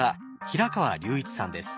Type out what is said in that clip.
平川隆一さんです。